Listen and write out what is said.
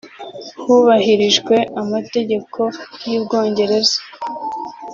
hubahirijwe amategeko y’u Bwongereza